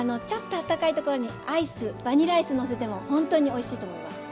あったかいところにアイスバニラアイスのせてもほんとにおいしいと思います。